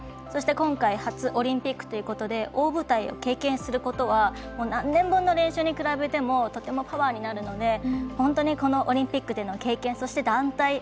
そして、今回初オリンピックということで大舞台を経験することは何年分の練習に比べてもとてもパワーになるので本当にこのオリンピックでの経験、そして団体。